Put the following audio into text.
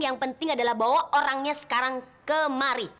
yang penting adalah bahwa orangnya sekarang kemari